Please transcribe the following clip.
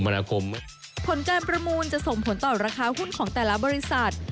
ผลการประมูลจะส่งผลต่อราคาหุ้นของแต่ละบริษัท